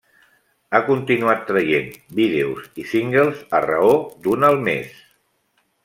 Ha continuat traient vídeos i singles a raó d'un al mes.